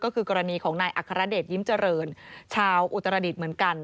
ก็คือกรณีของนายอัครเดชยิ้มเจริญชาวอุตรดิษฐ์เหมือนกัน